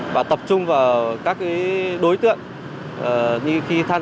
và tập trung vào các kế hoạch phòng chống đua xe trái phép trên địa bàn hồ